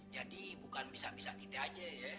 jadi bukan bisa bisa kita aja ya